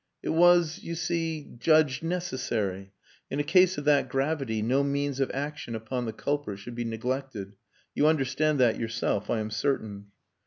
"It was you see judged necessary. In a case of that gravity no means of action upon the culprit should be neglected. You understand that yourself, I am certain.